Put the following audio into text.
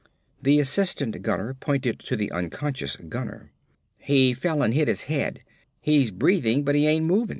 The assistant gunner pointed to the unconscious gunner. "He fell an' hit his head. He's breathin' but he ain't movin'."